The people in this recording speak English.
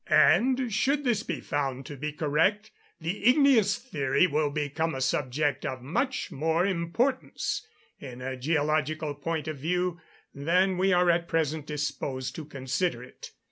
And should this be found to be correct, the igneous theory will become a subject of much more importance, in a geological point of view, than we are at present disposed to consider it.